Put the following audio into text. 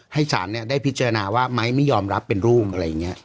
ให้สารได้พิจารณาว่าไม้ไม่ยอมรับเป็นรูปอะไรอย่างนี้